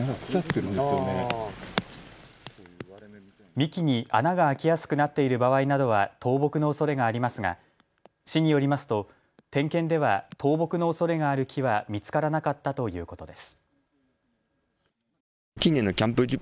幹に穴が開きやすくなっている場合などは倒木のおそれがありますが市によりますと点検では倒木のおそれがある木は見つからなかったということです。